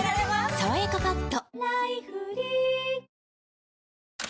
「さわやかパッド」